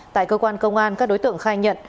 tại cơ quan công an các đối tượng khai nhận